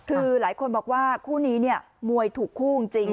คือหลายคนบอกว่าคู่นี้เนี่ยมวยถูกคู่จริง